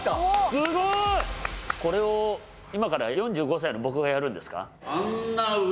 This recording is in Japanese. すごい！これを今から４５歳の僕がやるんですか？